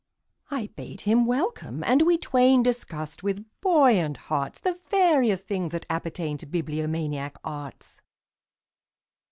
I bade him welcome, and we twainDiscussed with buoyant heartsThe various things that appertainTo bibliomaniac arts.